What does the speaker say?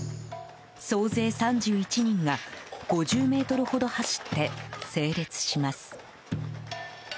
総勢３１人が５０ｍほど走って整列します。